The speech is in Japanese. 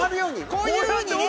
こういうふうにね。